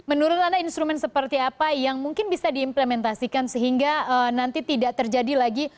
menurut anda instrumen seperti apa yang mungkin bisa diimplementasikan sehingga nanti tidak terjadi lagi